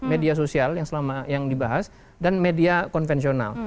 media sosial yang selama yang dibahas dan media konvensional